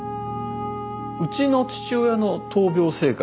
うちの父親の闘病生活